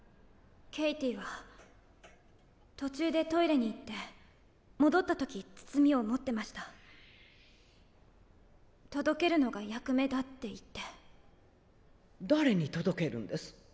ケイティは途中でトイレに行って戻ったとき包みを持ってました届けるのが役目だって言って誰に届けるんです？